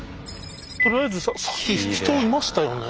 とりあえずさっき人いましたよね。